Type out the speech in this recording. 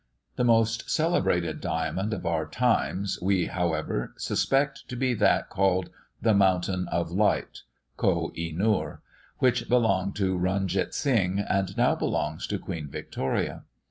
The most celebrated diamond of our times we, however, suspect to be that called "The Mountain of Light," (Koh i noor,) which belonged to Runjeet Sing, and now belongs to Queen Victoria.